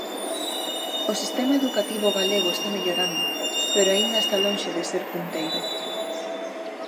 O sistema educativo galego está mellorando, pero aínda está lonxe de ser punteiro.